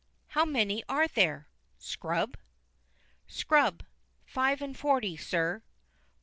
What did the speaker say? How many are there, Scrub?" "Scrub. Five and forty, Sir."